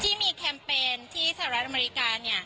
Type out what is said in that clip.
ที่มีแคมเปญที่สหรัฐอเมริกา